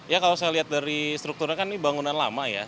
ya kalau saya lihat dari strukturnya kan ini bangunan lama ya